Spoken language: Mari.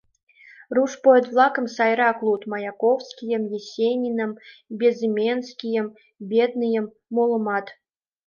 Руш поэт-влакым сайрак луд: Маяковскийым, Есениным, Безыменскийым, Бедныйым, молымат.